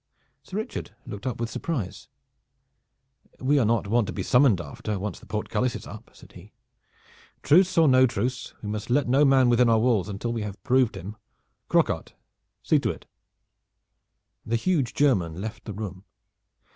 Sir Richard looked up with surprise. "We are not wont to be summoned after once the portcullis is up," said he. "Truce or no truce, we must let no man within our walls until we have proved him. Croquart, see to it!" The huge German left the room.